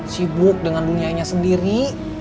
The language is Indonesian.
sibuk dengan dunianya sendiri